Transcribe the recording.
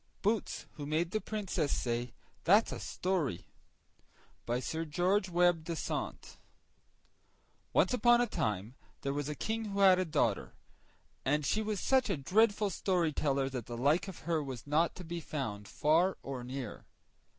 BOOTS WHO MADE THE PRINCESS SAY "THAT'S A STORY" By Sir George Webbe Dasent Once upon a time there was a King who had a daughter, and she was such a dreadful storyteller that the like of her was not to be found far or near.